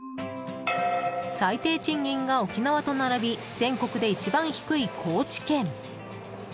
最低賃金が沖縄と並び全国で一番低い高知県。